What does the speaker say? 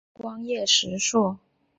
光叶石栎